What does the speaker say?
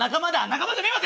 仲間じゃねえわ！